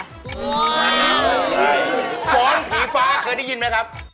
ฟ้อนผีฟ้าเคยได้ยินไหมครับ